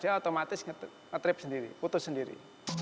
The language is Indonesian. dia otomatis ngetrip sendiri putus sendiri